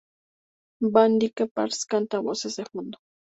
Van Dyke Parks canta voces de fondo.